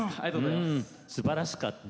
すばらしかった。